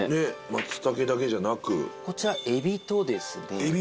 松茸だけじゃなくこちら海老とですね